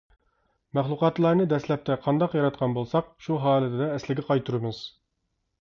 مەخلۇقاتلارنى دەسلەپتە قانداق ياراتقان بولساق، شۇ ھالىتىدە ئەسلىگە قايتۇرىمىز.